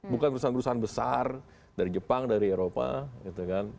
bukan perusahaan perusahaan besar dari jepang dari eropa gitu kan